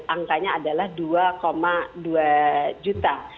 angkanya adalah dua dua juta